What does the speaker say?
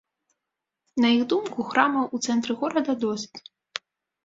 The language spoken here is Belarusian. На іх думку, храмаў у цэнтры горада досыць.